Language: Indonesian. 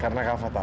karena kak fah tahu